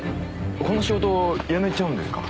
この仕事辞めちゃうんですか？